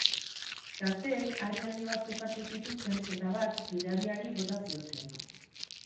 Gazteek harri handi batzuk hartu zituzten eta bat gidariari bota zioten.